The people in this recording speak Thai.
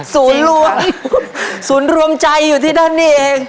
ศูนย์รวมใจอยู่ที่ด้านนี้เอง